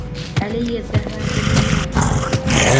علي الذهاب للنوم.